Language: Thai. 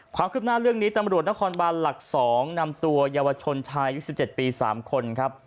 ความคืบหน้าเรื่องนี้ตำรวจนครบานหลัก๒นำตัวเยาวชนชายอายุ๑๗ปี๓คนครับ